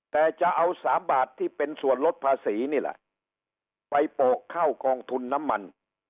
แต่จะเอา๓บาทที่เป็นส่วนลดภาษีนี่แหละไปโปะเข้ากองทุนน้ำมัน